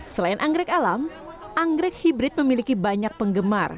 selain angrek alam angrek hibrit memiliki banyak penggemar